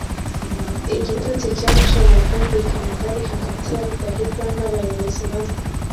Igitotsi cyaje mu bwumvikane bwari hagati ya Rudahigwa n'abayobozi bamwe